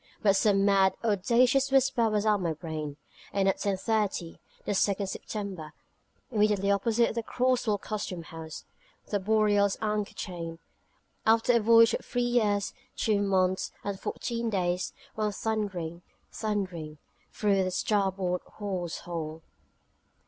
But some mad, audacious whisper was at my brain: and at 10.30, the 2nd September, immediately opposite the Cross Wall Custom House, the Boreal's anchor chain, after a voyage of three years, two months, and fourteen days, ran thundering, thundering, through the starboard hawse hole.